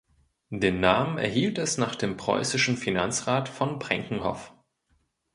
Den Namen erhielt es nach dem preußischen Finanzrat von Brenkenhoff.